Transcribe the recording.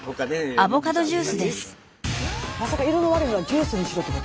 まさか色の悪いのをジュースにしろってこと？